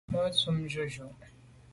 Ma’ ntùm jujù.